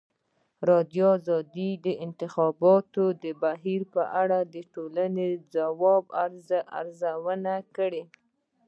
ازادي راډیو د د انتخاباتو بهیر په اړه د ټولنې د ځواب ارزونه کړې.